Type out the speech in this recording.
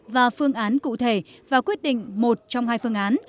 và phương án cụ thể và quyết định một trong hai phương án